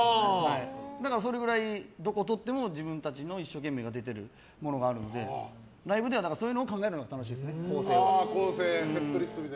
だから、それくらいどこをとっても自分たちの一生懸命が出ているものがあるのでライブではそういうのを考えるのが楽しいですね。